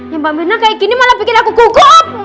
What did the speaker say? ya mbak mena kayak gini malah pikir aku gugup